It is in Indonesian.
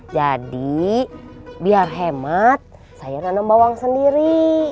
jadi biar hemat saya nanam bawang sendiri